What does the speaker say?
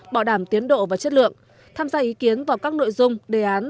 bảo đảm tiến độ và chất lượng tham gia ý kiến vào các nội dung đề án